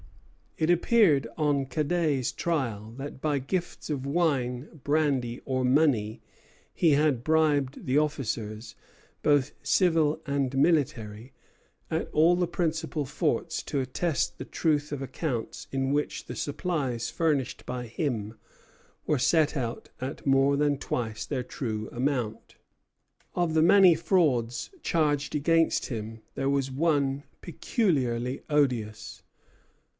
It appeared on Cadet's trial that by gifts of wine, brandy, or money he had bribed the officers, both civil and military, at all the principal forts to attest the truth of accounts in which the supplies furnished by him were set at more than twice their true amount. Of the many frauds charged against him there was one peculiarly odious.